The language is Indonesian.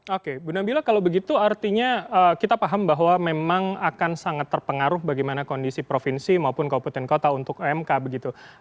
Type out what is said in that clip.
oke bu nabila kalau begitu artinya kita paham bahwa memang akan sangat terpengaruh bagaimana kondisi provinsi maupun kabupaten kota untuk umk begitu